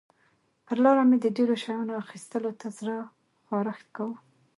پر لاره مې د ډېرو شیانو اخیستلو ته زړه خارښت کاوه.